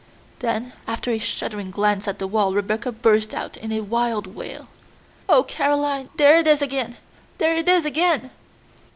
Then after a shuddering glance at the wall Rebecca burst out in a wild wail. "Oh, Caroline, there it is again, there it is again!"